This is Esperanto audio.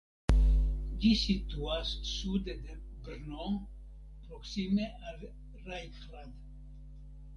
Ĝi situas sude de Brno proksime de Rajhrad.